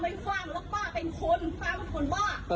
ป้าไม่ฟังแล้วป้าเป็นคนป้าเป็นคนบ้า